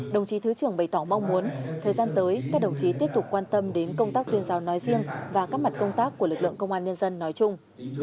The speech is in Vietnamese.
đồng chí thứ trưởng bày tỏ mong muốn thời gian tới các đồng chí tiếp tục quan tâm đến công tác tuyên giáo nói riêng và các mặt công tác của lực lượng công an nhân dân nói chung